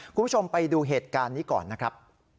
คุณผู้ชมไปดูเหตุการณ์นี้ก่อนนะครับ